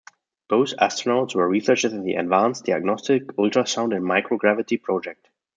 Both Astronauts were researchers in the Advanced Diagnostic Ultrasound in Microgravity Project.